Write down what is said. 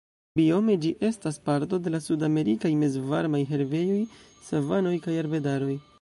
Biome ĝi estas parto de la sudamerikaj mezvarmaj herbejoj, savanoj kaj arbedaroj.